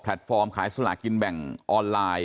ฟอร์มขายสลากินแบ่งออนไลน์